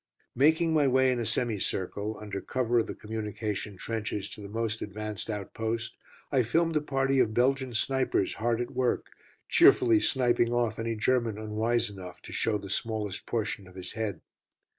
Making my way in a semi circle, under cover of the communication trenches, to the most advanced outpost, I filmed a party of Belgian snipers hard at work, cheerfully sniping off any German unwise enough to show the smallest portion of his head.